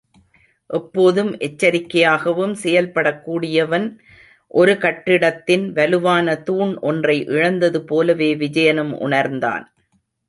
எப்போதும் எச்சரிகையாகவும் செயல்படக் கூடியவன், ஒரு கட்டிடத்தின் வலுவான தூண் ஒன்றை இழந்தது போலவே விஜயனும் உணர்ந்தான்.